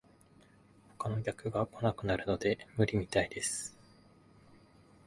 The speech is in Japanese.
他の客が来なくなるので無理みたいです